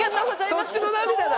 そっちの涙だ？